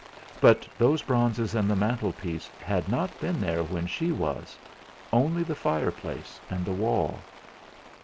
But those bronzes and the mantelpiece had not been there when she was, only the fireplace and the wall!